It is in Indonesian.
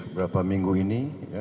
berapa minggu ini